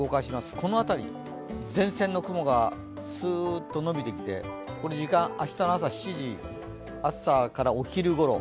この辺りに前線の雲がすーっとのびてきて明日の朝からお昼ごろ